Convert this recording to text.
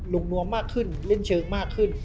นวมมากขึ้นเล่นเชิงมากขึ้น